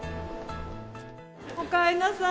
おかえりなさい。